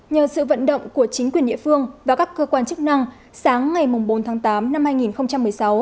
nhờ sự vận động của chính quyền địa phương và các cơ quan chức năng sáng ngày bốn tháng tám năm hai nghìn một mươi sáu